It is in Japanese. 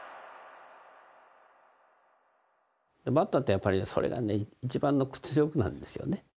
バッターってやっぱりそれがね一番の屈辱なんですよね。